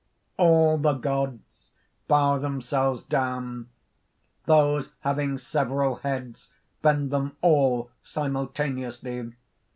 ] (_All the gods bow themselves down. Those having several heads, bend them all simultaneously.